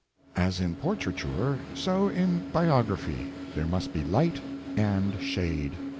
As in portraiture, so in biography — there must be light and shade.